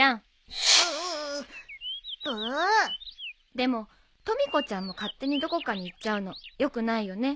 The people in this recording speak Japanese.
でもとみ子ちゃんも勝手にどこかに行っちゃうのよくないよね。